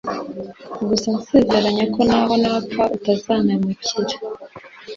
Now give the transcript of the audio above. gusa nsezeranya ko naho napfa utazampemukira